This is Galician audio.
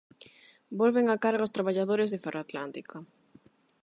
Volven á carga os traballadores de Ferroatlántica.